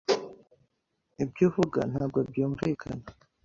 Ibyo uvuga ntabwo byumvikana.